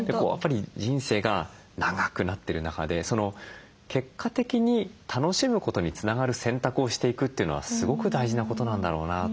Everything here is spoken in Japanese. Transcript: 人生が長くなってる中で結果的に楽しむことにつながる選択をしていくというのはすごく大事なことなんだろうなと思って。